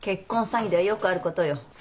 詐欺ではよくあることよ。